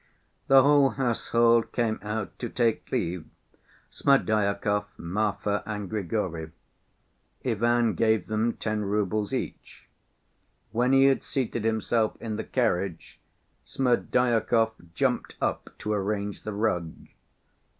The whole household came out to take leave—Smerdyakov, Marfa and Grigory. Ivan gave them ten roubles each. When he had seated himself in the carriage, Smerdyakov jumped up to arrange the rug.